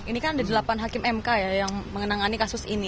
ini kan ada delapan hakim mk ya yang mengenangani kasus ini